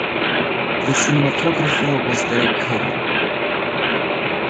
The cinematographer was Derrick Cohan.